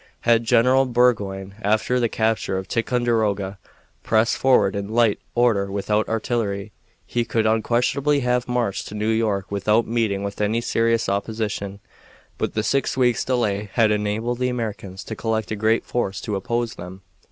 Had General Burgoyne, after the capture of Ticonderoga, pressed forward in light order without artillery, he could unquestionably have marched to New York without meeting with any serious opposition, but the six weeks' delay had enabled the Americans to collect a great force to oppose them.